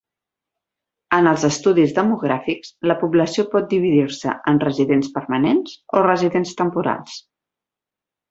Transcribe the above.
En els estudis demogràfics la població pot dividir-se en residents permanents o residents temporals.